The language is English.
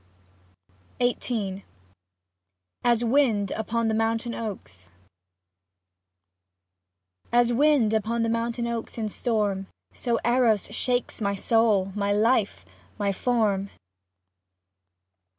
XVIII AS W^IND UPON THE MOUNTAIN OAKS As wind upon the mountain oaks in storm, So Eros shakes my soul, my life, my form.